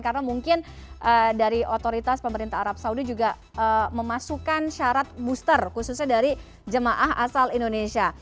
karena mungkin dari otoritas pemerintah arab saudi juga memasukkan syarat booster khususnya dari jemaah asal indonesia